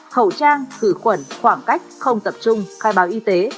hậu trang khử quẩn khoảng cách không tập trung khai báo y tế